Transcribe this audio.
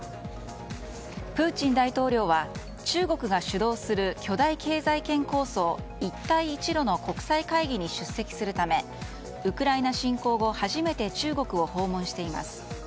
プーチン大統領は中国が主導する巨大経済圏構想、一帯一路の国際会議に出席するためウクライナ侵攻後、初めて中国を訪問しています。